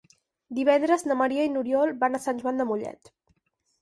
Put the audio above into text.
Divendres na Maria i n'Oriol van a Sant Joan de Mollet.